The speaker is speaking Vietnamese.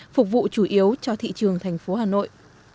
phục vụ chủ yếu cho thị trường thành phố hà nội